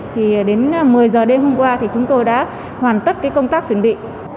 thì đến một mươi giờ đêm hôm qua thì chúng tôi đã hoàn tất công tác chuẩn bị